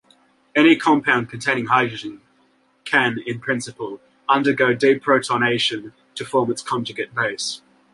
Any compound containing hydrogen can, in principle, undergo deprotonation to form its conjugate base.